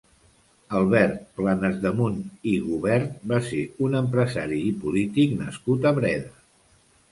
Albert Planasdemunt i Gubert va ser un empresari i polític nascut a Breda.